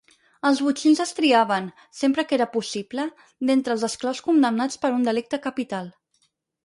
Els botxins es triaven, sempre que era possible, d'entre els esclaus condemnats per un delicte capital.